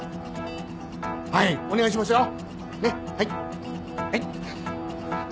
はいお願いしますよ。